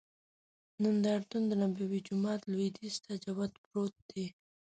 نندارتون دنبوي جومات لوید یځ ته جوخت پروت دی.